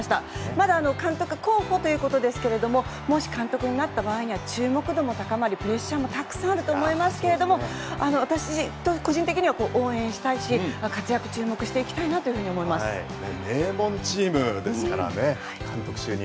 まだ監督候補ということですけれどももし監督になった場合には注目度も高まり、プレッシャーもたくさんあると思いますけれども私と個人的には応援したいし活躍注目していきたいなと名門チームですからね。